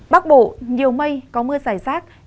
bắc bộ nhiều mây có mưa giải rác